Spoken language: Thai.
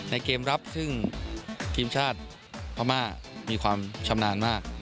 เกมรับซึ่งทีมชาติพม่ามีความชำนาญมาก